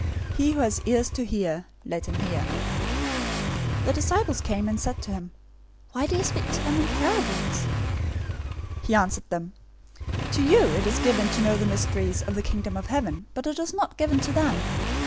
013:009 He who has ears to hear, let him hear." 013:010 The disciples came, and said to him, "Why do you speak to them in parables?" 013:011 He answered them, "To you it is given to know the mysteries of the Kingdom of Heaven, but it is not given to them.